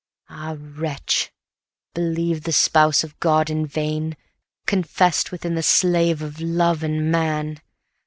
Ah, wretch! believed the spouse of God in vain, Confess'd within the slave of love and man.